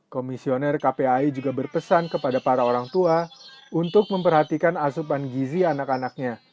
komisioner kpai juga berpesan kepada para orang tua untuk memperhatikan asupan gizi anak anaknya